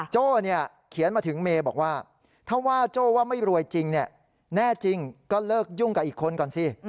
โจ้เนี่ยเขียนมาถึงเมย์บอกว่าถ้าว่าโจ้ว่าไม่รวยจริงแน่จริงก็เลิกยุ่งกับอีกคนก่อนสิ